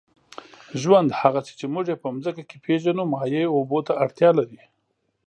ژوند، هغسې چې موږ یې په مځکه کې پېژنو، مایع اوبو ته اړتیا لري.